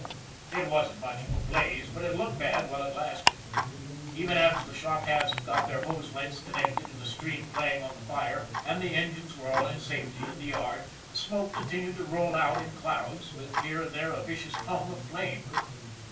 It wasn't much of a blaze, but it looked bad while it lasted. Even after the shop hands had got their hose lengths connected and a stream playing on the fire, and the engines were all in safety in the yard, the smoke continued to roll out in clouds, with here and there a vicious tongue of flame.